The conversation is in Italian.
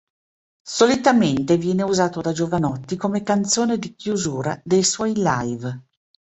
Solitamente viene usato da Jovanotti come canzone di chiusura dei suoi live.